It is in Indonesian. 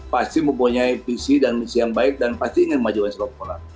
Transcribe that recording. pasti mempunyai visi dan misi yang baik dan pasti ingin maju oleh sepak bola